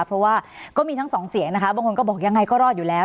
เพราะว่าก็มีทั้งสองเสียงนะคะบางคนก็บอกยังไงก็รอดอยู่แล้ว